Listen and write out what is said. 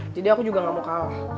jadi aku juga enggak mau kalah